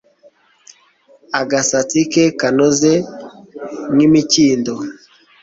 agasatsi ke kanoze nk'imikindo